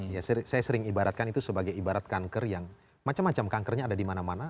ya saya sering ibaratkan itu sebagai ibarat kanker yang macam macam kankernya ada di mana mana